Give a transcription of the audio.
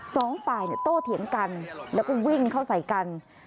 สองฝ่ายโตเถียงกันแล้วก็วิ่งเข้าใส่กัน